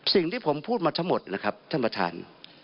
สิ่งที่ผมพูดมาทั้งหมดนะครับท่านประธาน